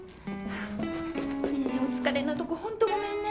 ねえ、お疲れのところ、本当ごめんね。